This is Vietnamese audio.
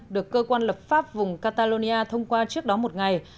được cơ quan lập pháp vùng catalonia thông qua trước đó một ngày